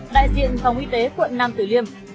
đại diện phòng y tế quận năm tử liêm